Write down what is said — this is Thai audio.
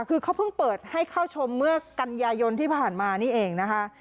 คือเขาเพิ่งเปิดให้เข้าชมเมื่อกันยายนที่ผ่านมานี่เองนะคะ